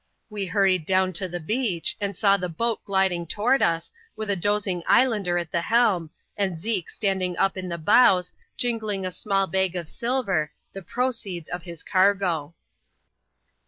We hurried down to the beach, and saw the boat gliding toward us, with a dozing islander at the helm, and Zeke standing up in the bows, jingling a small bag of silver, the proceeds of his cargo.